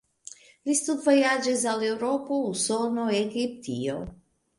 Ŝi studvojaĝis al Eŭropo, Usono, Egiptio.